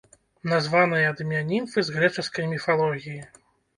Названая ад імя німфы з грэчаскай міфалогіі.